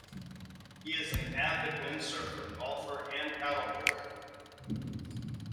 He is an avid windsurfer, golfer and paddleboarder.